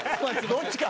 どっちか。